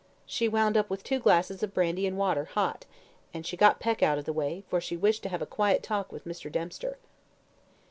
She wound up with two glasses of brandy and water hot, and she got Peck out of the way, for she wished to have a quiet talk with Mr. Dempster.